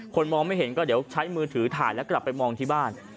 มองไม่เห็นก็เดี๋ยวใช้มือถือถ่ายแล้วกลับไปมองที่บ้าน